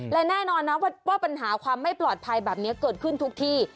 และแน่นอนนะว่าปัญหาความไม่ปลอดภัยแบบนี้เกิดขึ้นทุกที่